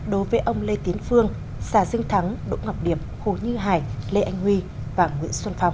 đối với ông lê tiến phương xà dương thắng đỗ ngọc điệp hồ như hải lê anh huy và nguyễn xuân phong